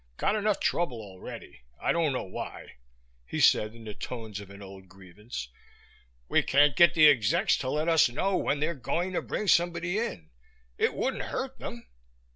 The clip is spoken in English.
Got enough trouble already. I don't know why," he said in the tones of an old grievance, "we can't get the execs to let us know when they're going to bring somebody in. It wouldn't hurt them!